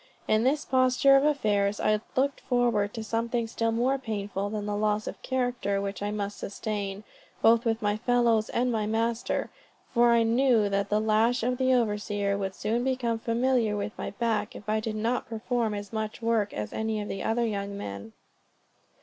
In this posture of affairs, I looked forward to something still more painful than the loss of character which I must sustain, both with my fellows and my master; for I knew that the lash of the overseer would soon become familiar with my back, if I did not perform as much work as any of the other young men.